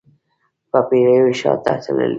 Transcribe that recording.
په پیړیو شاته تللی